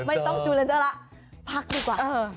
ไม่ต้องจูลเจ้าแล้วพักดีกว่า